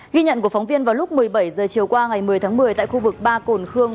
ghi nhận của phóng viên vào lúc một mươi bảy h chiều qua ngày một mươi tháng một mươi tại khu vực ba cồn khương